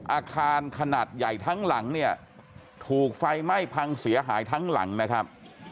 อาคารขนาดใหญ่ทั้งหลังเนี่ยถูกไฟไหม้พังเสียหายทั้งหลังนะครับ